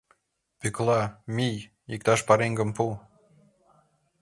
Пӧкла, мий, иктаж пареҥгым пу.